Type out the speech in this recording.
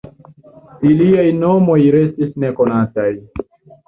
Iliaj nomoj restis nekonataj.